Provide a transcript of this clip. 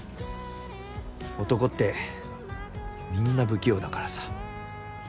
男ってみんな不器用だからさ。